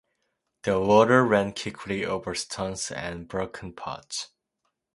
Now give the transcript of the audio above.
The water ran quickly over stones and broken pots.